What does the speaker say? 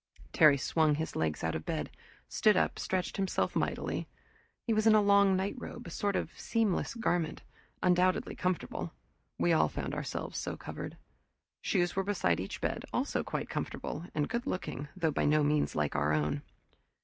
Terry swung his legs out of bed, stood up, stretched himself mightily. He was in a long nightrobe, a sort of seamless garment, undoubtedly comfortable we all found ourselves so covered. Shoes were beside each bed, also quite comfortable and goodlooking though by no means like our own.